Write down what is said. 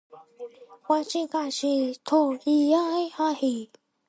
我们出售您个人信息的第三方类别，以及向每一类第三方出售的个人信息的具体类别。